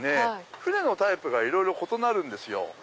船のタイプがいろいろ異なるんですよ。